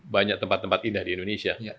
banyak tempat tempat indah di indonesia